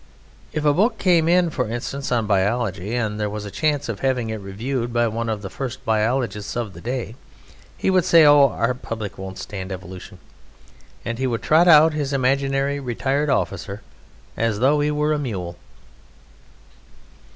If a book came in, for instance, on biology, and there was a chance of having it reviewed by one of the first biologists of the day, he would say: "Oh, our Public won't stand evolution," and he would trot out his imaginary retired officer as though he were a mule.